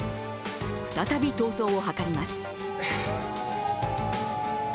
再び、逃走を図ります。